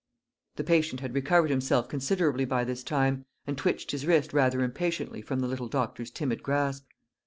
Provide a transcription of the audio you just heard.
The patient had recovered himself considerably by this time, and twitched his wrist rather impatiently from the little doctor's timid grasp.